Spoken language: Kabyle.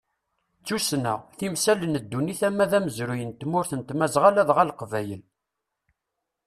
D tussna, timsal n ddunit ama d amezruy n tmurt n tmazɣa ladɣa leqbayel.